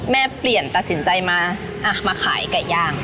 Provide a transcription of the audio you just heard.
เปลี่ยนตัดสินใจมามาขายไก่ย่าง